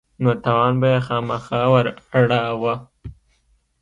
نو تاوان به يې خامخا وراړاوه.